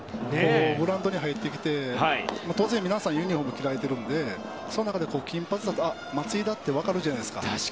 グラウンドに入ってきて当然、皆さんユニホームに着られているのでその中で、金髪だとあ、松井だって分かるじゃないですか。